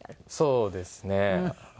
そうですね。